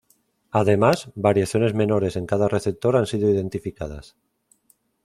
Además, variaciones menores en cada receptor han sido identificadas.